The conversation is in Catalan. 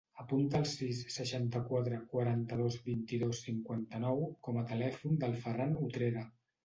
Apunta el sis, seixanta-quatre, quaranta-dos, vint-i-dos, cinquanta-nou com a telèfon del Ferran Utrera.